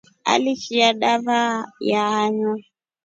Afishia dava ya anywa.